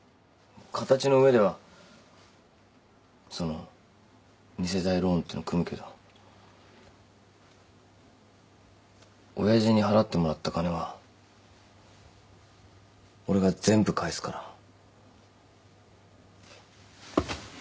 形の上ではその２世代ローンっての組むけど親父に払ってもらった金は俺が全部返すから。